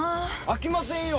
あきませんよ！